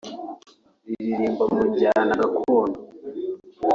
riririmba mu njyana gakondo